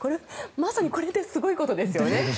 まさにこれってすごいことですよね。